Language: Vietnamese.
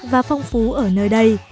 và phong phú ở nơi đây